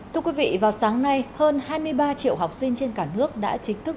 thưa quý vị vào sáng nay hơn hai mươi ba triệu học sinh trên cả nước đã chính thức